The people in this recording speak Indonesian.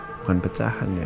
bukan pecahan ya